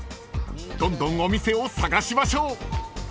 ［どんどんお店を探しましょう］